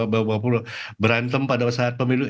bahwa berantem pada saat pemilu